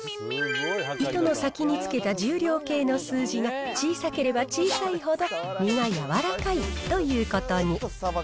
糸の先につけた重量計の数字が小さければ小さいほど身が柔らかいということに。